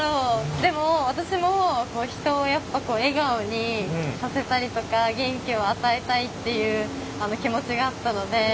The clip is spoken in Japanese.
でも私も人をやっぱ笑顔にさせたりとか元気を与えたいっていう気持ちがあったので。